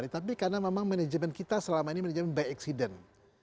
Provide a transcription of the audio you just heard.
tapi karena memang manajemen kita selama ini manajemen by accident